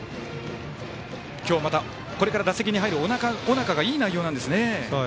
今日またこれから打席に入る尾中が非常にいい内容なんですね。